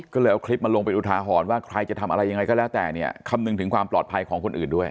ก็เลยเอาคลิปมาลงเป็นอุทาหรณ์ว่าใครจะทำอะไรยังไงก็แล้วแต่เนี่ยคำนึงถึงความปลอดภัยของคนอื่นด้วย